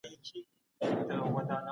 سياستپوهنه موږ ته د حکومتولو لاري راښيي.